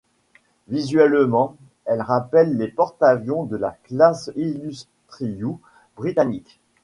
Visuellement, il rappelle les porte-avions de la classe Illustrious britannique.